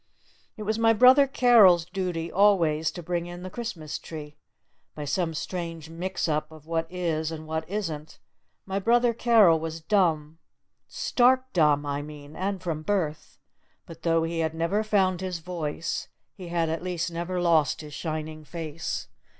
It was my brother Carol's duty always to bring in the Christmas tree. By some strange mix up of what is and what isn't my brother Carol was dumb stark dumb, I mean, and from birth. But tho he had never found his voice he had at least never lost his shining face.